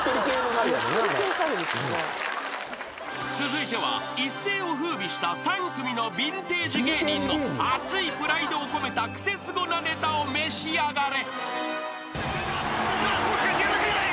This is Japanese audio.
［続いては一世を風靡した３組のヴィンテージ芸人の熱いプライドを込めたクセスゴなネタを召し上がれ］